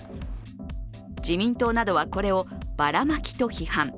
自民党などはこれをバラマキと批判。